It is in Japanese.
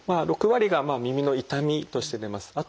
６割が耳の痛みとして出ます。